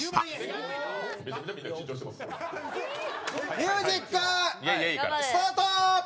ミュージックスタート！